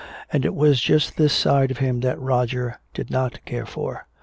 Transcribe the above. And it was just this side of him that Roger did not care for.